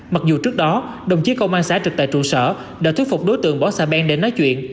mặc dù trước đó đồng chí công an xã trực tại trụ sở đã thuyết phục đối tượng bỏ xa ben để nói chuyện